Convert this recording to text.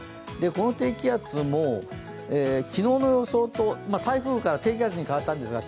この低気圧も昨日の予想と、台風から低気圧に変わったんですが、